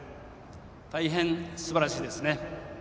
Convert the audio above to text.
大変すばらしいですね。